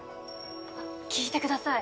あっ聞いてください